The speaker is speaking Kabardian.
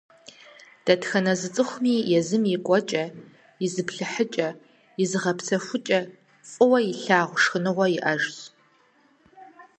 Дэтхэнэ зы цӏыхуми езым и кӏуэкӏэ, и зыплъыхьыкӏэ, и зыгъэпсэхукӏэ, фӏыуэ илъагъу шхыныгъуэ иӏэжщ.